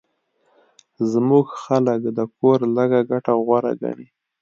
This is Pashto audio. زموږ خلک د کور لږه ګټه غوره ګڼي